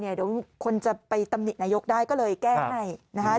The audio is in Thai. เดี๋ยวคนจะไปตำหนินายกได้ก็เลยแก้ให้นะคะ